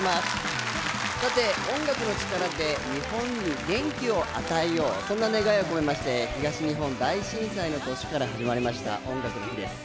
音楽の力で日本に元気を与えよう、そんな願いを込めまして東日本大震災の年から始まりました「音楽の日」です。